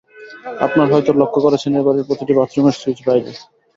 আপনারা হয়তো লক্ষ করেছেন, এ-বাড়ির প্রতিটি বাথরুমের সুইচ বাইরে।